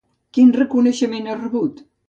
Quin reconeixement ha rebut?